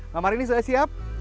mam marini sudah siap